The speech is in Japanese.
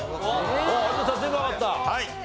はい！